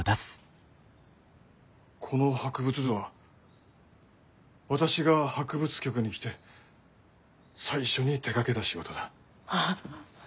この博物図は私が博物局に来て最初に手がけた仕事だ。ああ。